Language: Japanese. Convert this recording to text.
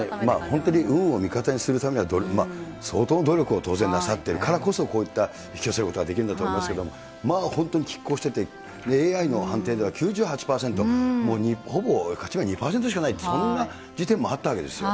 本当に運を味方にするためには、相当努力を当然なさってるからこそ、こういった引き寄せることができるんだと思いますけれども、まあ本当にきっ抗してて、ＡＩの判定では９８％、もうほぼ勝ちは２％しかない、そんな時点もあったわけですよ。